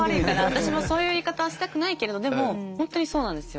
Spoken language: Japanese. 私もそういう言い方をしたくないけれどでも本当にそうなんですよ。